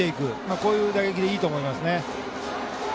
こういう打撃でいいと思います。